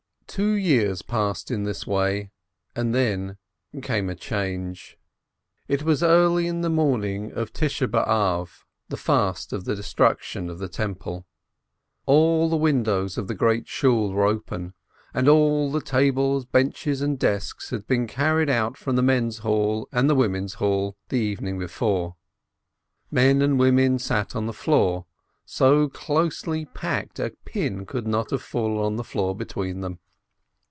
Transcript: Two years passed in this way, and then came a change. It was early in the morning of the Fast of the De struction of the Temple, all the windows of the Great Shool were open, and all the tables, benches, and desks had been carried out from the men's hall and the women's hall the evening before. Men and women sat on the floor, so closely packed a pin could not have fallen to the floor between them.